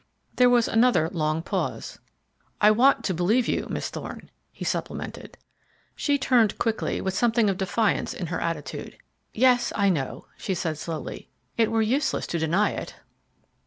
There was another long pause. "I want to believe you, Miss Thorne," he supplemented. She turned quickly with something of defiance in her attitude. "Yes, I know," she said slowly. "It were useless to deny it."